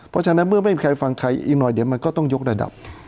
เพราะฉะนั้นเมื่อไม่มีใครฟังใครอีกหน่อยเดี๋ยวมันก็ต้องยกระดับ